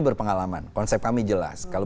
berpengalaman konsep kami jelas kalau